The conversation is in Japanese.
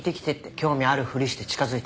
興味あるふりして近づいて。